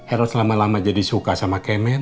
eros lama lama jadi suka sama kemen